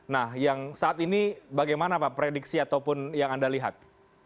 nah yang saat ini bagaimana pak prediksi ataupun yang anda lihat